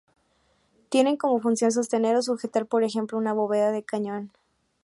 Tienen como función sostener o sujetar, por ejemplo, una bóveda de cañón